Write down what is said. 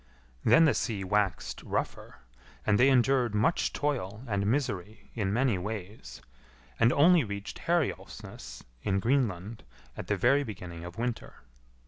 Then the sea waxed rougher, and they endured much toil and misery in many ways, and only reached Herjolfsnes, in Greenland, at the very beginning of winter.